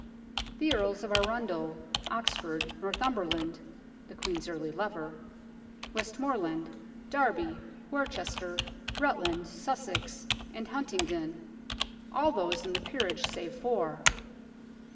The Earls of Arundel, Oxford, Northumberland (the Queen's early lover) Westmorland, Derby, Worcester, Rutland, Sussex, and Huntingdon all those in the peerage save four.